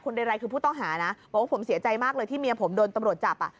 เรไรคือผู้ต้องหานะบอกว่าผมเสียใจมากเลยที่เมียผมโดนตำรวจจับ